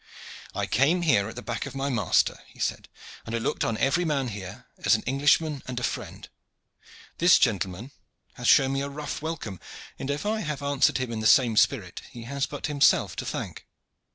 "I came here at the back of my master," he said, "and I looked on every man here as an Englishman and a friend. This gentleman hath shown me a rough welcome, and if I have answered him in the same spirit he has but himself to thank.